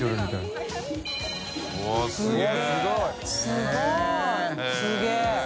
すごい！すげぇ。